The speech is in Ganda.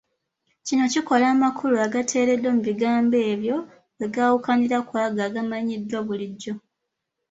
Kino kikola amakulu agateereddwa mu bigambo ebyo we gaawukanira ku ago agamanyiddwa bulijjo.